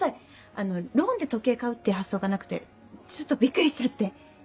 あのローンで時計買うって発想がなくてちょっとびっくりしちゃって。